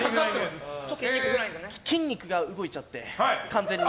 筋肉が動いちゃって、完全に。